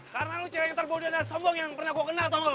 karena lo cewek yang terbodoh dan sombong yang pernah gue kenal tau gak lo